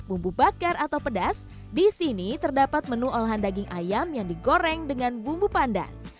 bumbu bakar atau pedas di sini terdapat menu olahan daging ayam yang digoreng dengan bumbu pandan